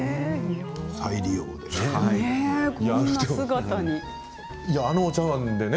再利用ですね。